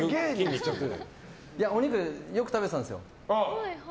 お肉、よく食べてたんですよ。